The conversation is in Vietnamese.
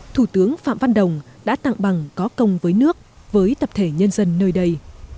thủ tướng phạm văn đồng đã tặng bằng có công với nước với tập thể nhân dân nơi đây